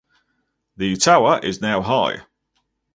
The tower is now high.